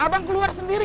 abang keluar sendiri